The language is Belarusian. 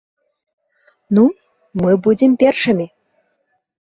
Ну, мы будзем першымі.